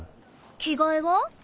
着替えは？